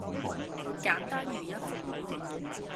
簡單如一幅畫